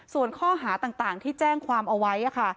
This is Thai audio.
ส่วนข้อหาต่างที่แจ้งความเอาไว้ค่ะ